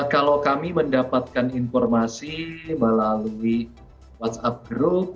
kalau kami mendapatkan informasi melalui whatsapp group